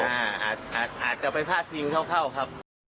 อาจจะไปพลาดจริงเท่าครับ